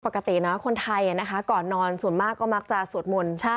ปกตินะคนไทยก่อนนอนส่วนมากก็มักจะสวดมนต์